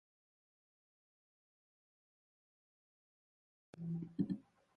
Z téhož důvodu chybí kabel vlakového topení.